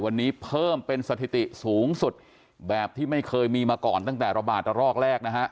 วันนี้เพิ่มเป็นสถิติสูงสุดแบบที่ไม่เคยมีมาก่อนตั้งแต่ระบาดระรอกแรกนะฮะ